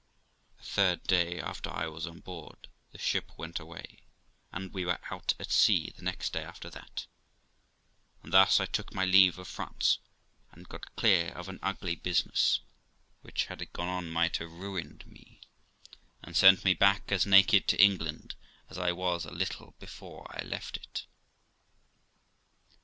The third day after I was on board, the ship went away, and we were out at sea the next day after that ; and thus I took my leave of France, and got clear of an ugly business, which, had it gone on, might have ruined me, and sent me back as naked to England as I was a little before I left it.